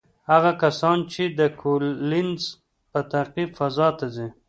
هغه کسان چې د کولینز په تعقیب فضا ته ځي،